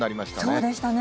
そうでしたね。